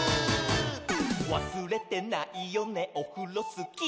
「わすれてないよねオフロスキー」